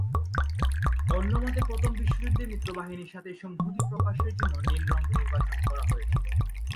অন্যমতে প্রথম বিশ্বযুদ্ধে মিত্রবাহিনীর সাথে সংহতি প্রকাশের জন্য নীল রঙ নির্বাচন করা হয়েছিল।